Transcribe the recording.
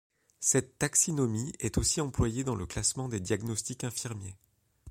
Cette taxinomie est aussi employée dans le classement des diagnostics infirmiers.